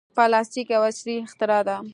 پلاستيک یو عصري اختراع ده.